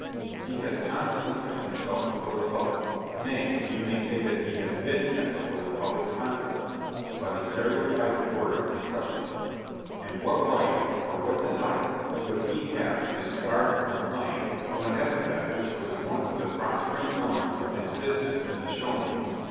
He has constantly kept himself before the public nay, we may say that he has been kept before the public constantly, by the stereotyped word in question; and what right, or what desire, could he have to discard or complain of an epithet which was one of the prospering elements of his business as "a showman?"